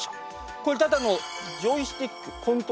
これただのジョイスティックコントローラー。